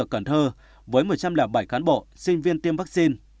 ở cần thơ với một trăm linh bảy cán bộ sinh viên tiêm vaccine